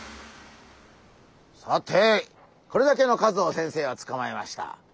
さてこれだけの数を先生はつかまえました。